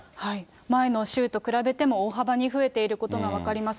前の週と比べても大幅に増えていることが分かります。